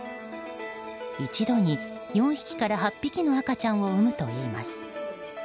一度に４匹から８匹の赤ちゃんを生むといいます。